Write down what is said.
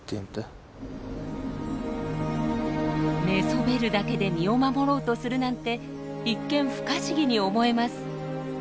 寝そべるだけで身を守ろうとするなんて一見不可思議に思えます。